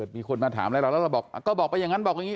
มีคนมาถามแล้วเราก็บอกไปอย่างนั้นบอกไปอย่างนี้